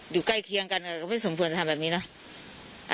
อยู่ใกล้เคียงกันก็ไม่สมทวนทำแบบนี้เนอะ